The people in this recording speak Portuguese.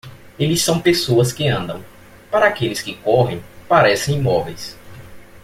Eles são pessoas que andam; Para aqueles que correm, parecem imóveis.